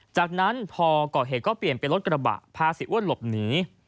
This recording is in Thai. จากนั้นพอก่อเหตุก็เปลี่ยนเป็นรถกระบะพาเสียอ้วนหลบหนี